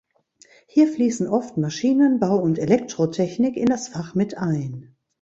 Hier fließen oft Maschinenbau und Elektrotechnik in das Fach mit ein.